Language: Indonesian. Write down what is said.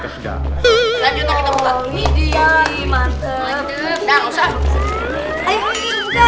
lanjut dong kita buka